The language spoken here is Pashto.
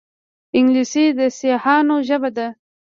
انګلیسي د سیاحانو ژبه ده